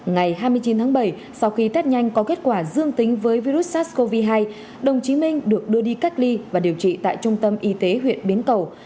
ngày hai mươi chín tháng bảy sau khi tết nhanh có kết quả dương tính với virus sars cov hai đồng chí minh được đưa đi cách ly và điều trị tại trung tâm y tế huyện biến cầu